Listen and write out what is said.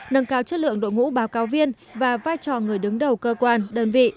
nâng cao chất lượng đội ngũ báo cáo viên và vai trò người đứng đầu cơ quan đơn vị